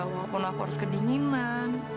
walaupun aku harus kedinginan